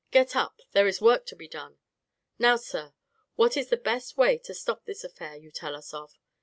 Get up, there is work to be done. Now, sir, what is the best way to stop this affair you tell us of?